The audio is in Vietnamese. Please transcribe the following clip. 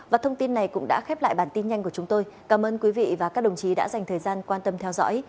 và thông tin này cũng đã khép lại bản tin nhanh của chúng tôi cảm ơn quý vị và các đồng chí đã dành thời gian quan tâm theo dõi